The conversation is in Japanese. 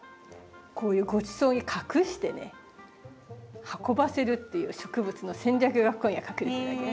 こういうごちそうに隠してね運ばせるっていう植物の戦略がここには隠れてるわけね。